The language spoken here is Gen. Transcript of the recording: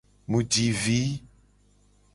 Mu ji vi.